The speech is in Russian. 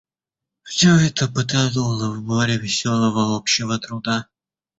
Всё это потонуло в море веселого общего труда.